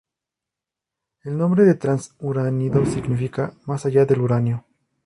El nombre de trans-uránidos significa "más allá del uranio".